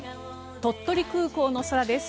鳥取空港の空です。